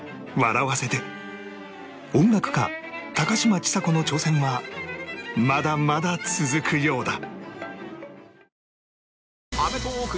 音楽家高嶋ちさ子の挑戦はまだまだ続くようだ